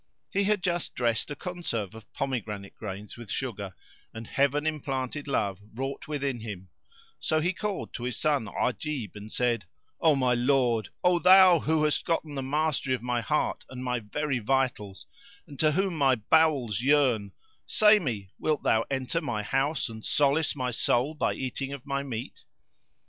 He had just dressed a conserve of pomegranate grains with sugar, and Heaven implanted love wrought within him; so he called to his son Ajib and said, "O my lord, O thou who hast gotten the mastery of my heart and my very vitals and to whom my bowels yearn; say me, wilt thou enter my house and solace my soul by eating of my meat?"